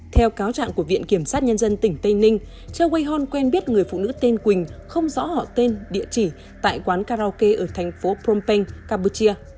theo cáo trạng của viện kiểm sát nhân dân tỉnh tây ninh joe hon quen biết người phụ nữ tên quỳnh không rõ họ tên địa chỉ tại quán karaoke ở thành phố phom penh campuchia